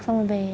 xong rồi về